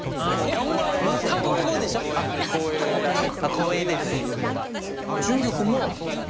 ・光栄です。